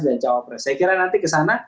dan cawapres saya kira nanti ke sana